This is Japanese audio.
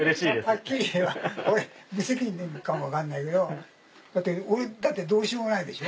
ハッキリ言えば俺無責任かも分かんないけど俺だってどうしようもないでしょ？